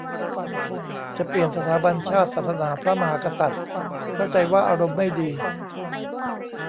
จะเปลี่ยนสถาบันชาติ ศาสนา พระมหากษัตริย์ เข้าใจว่าอารมณ์ไม่ดี